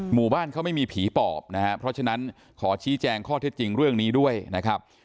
หมู่บ้านเขาไม่มีผีปอบนะฮะเพราะฉะนั้นขอชี้แจงข้อเท็จจริงเรื่องนี้ด้วยนะครับ